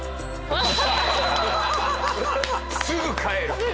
すぐ帰る。